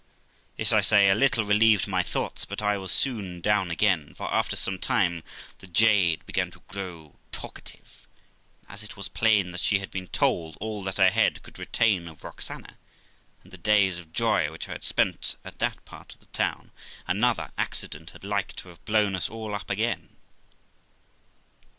This, I say, a little relieved my thoughts, but I was soon down again; for, after some time, the jade began to grow talkative; and as it was plain that she had told all that her head could retain of Roxana, and the days of joy which I had spent at that part of the town, another accident had like to have blown us all up again.